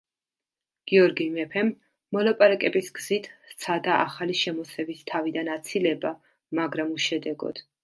გიორგი მეფემ მოლაპარაკების გზით სცადა ახალი შემოსევის თავიდან აცილება მაგრამ უშედეგოდ.